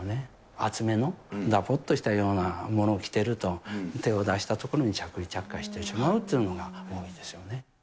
厚めのだぼっとしたようなものを着てると、手を出した所に着衣着火してしまうというのが、多いんですよね。